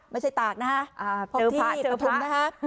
ไม่ใช่ตากนะคะพบที่กระทุนนะคะ